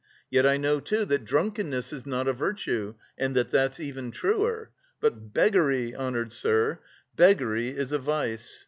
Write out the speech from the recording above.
Yet I know too that drunkenness is not a virtue, and that that's even truer. But beggary, honoured sir, beggary is a vice.